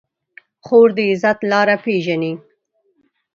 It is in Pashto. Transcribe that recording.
خور د عزت لاره پېژني.